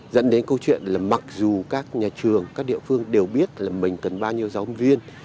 dẫn đến câu chuyện là mặc dù các nhà trường các địa phương đều biết là mình cần bao nhiêu giáo viên